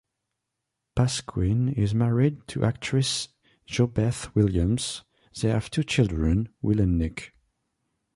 Pasquin is married to actress JoBeth Williams; they have two children, Will and Nick.